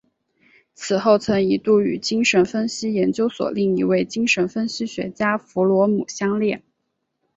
此后曾一度与精神分析研究所另一位精神分析学家弗洛姆相恋。